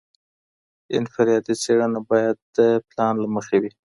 انفرادي څېړنه باید د پلان له مخي وي.